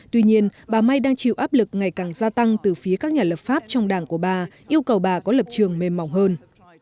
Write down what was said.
tuy nhiên bà may đang chịu áp lực ngày càng gia tăng từ phía các nhà lập pháp trong đảng của bà yêu cầu bà có lập trường mềm mỏng hơn